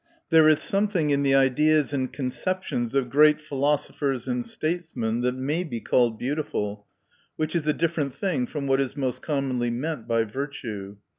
There is something in the ideas and conceptions of great philosophers and statesmen, that may be called beautiful ; which is a dif ferent thing from what is most commonly meant by virtue.